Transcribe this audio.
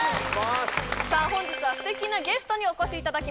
本日はすてきなゲストにお越しいただきました